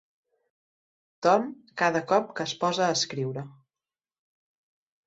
Tom cada cop que es posa a escriure.